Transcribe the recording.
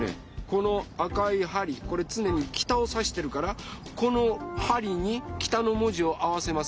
この赤いはりこれつねに北をさしてるからこのはりに北の文字を合わせます。